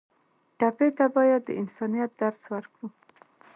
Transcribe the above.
ټپي ته باید د انسانیت درس ورکړو.